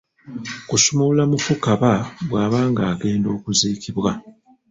Kusumulula mufu kaba bw'aba nga agenda okuziikibwa.